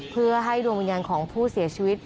เพื่อให้ดวงวิญญาณของผู้เสียชีวิต